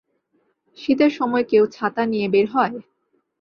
শীতের সময় কেউ ছাতা নিয়ে বের হয়?